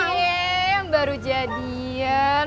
hai cie baru jadian